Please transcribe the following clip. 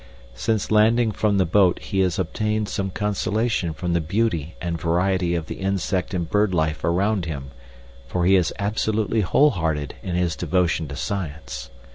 Since landing from the boat he has obtained some consolation from the beauty and variety of the insect and bird life around him, for he is absolutely whole hearted in his devotion to science.